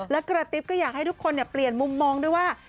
และกระติ๊บก็อยากให้ทุกคนเปลี่ยนมุมมองด้วยว่า